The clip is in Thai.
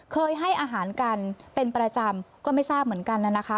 เคยให้อาหารกันเป็นประจำก็ไม่ทราบเหมือนกันนะคะ